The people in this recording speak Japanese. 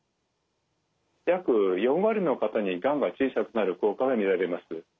約４割の方にがんが小さくなる効果が見られます。